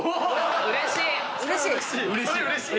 うれしい！